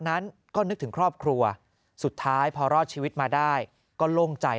นั้นก็นึกถึงครอบครัวสุดท้ายพอรอดชีวิตมาได้ก็โล่งใจ